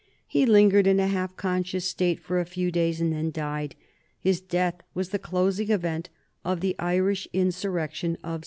He lingered in a half unconscious state for a few days and then died. His death was the closing event of the Irish insurrection of 1798.